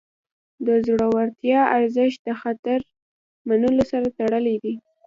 د زړورتیا ارزښت د خطر منلو سره تړلی دی.